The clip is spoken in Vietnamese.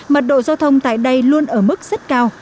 mật độ giao thông tại đây luôn ở mức rất cao